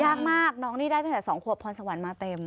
ยากมากน้องนี่ได้ตั้งแต่๒ขวบพรสวรรค์มาเต็ม